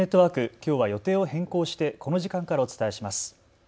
きょうは予定を変更してこの時間からお伝えします。